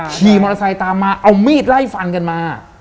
ขี่มอเตอร์ไซค์ตามมาเอามีดไล่ฟันกันมา